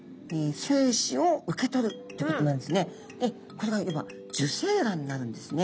これがいわば受精卵になるんですね。